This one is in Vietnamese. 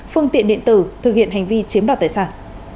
phương tiện điện tử thực hiện hành vi chiếm đoạt tài sản